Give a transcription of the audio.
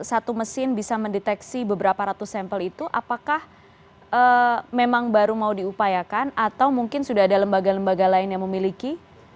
satu mesin bisa mendeteksi beberapa ratus sampel itu apakah memang baru mau diupayakan atau mungkin sudah ada lembaga lembaga lain yang memiliki